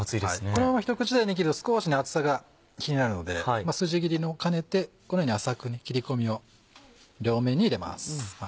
このまま一口大に切ると少し厚さが気になるので筋切りも兼ねてこのように浅く切り込みを両面に入れます。